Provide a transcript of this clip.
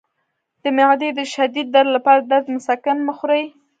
د معدې د شدید درد لپاره د درد مسکن مه خورئ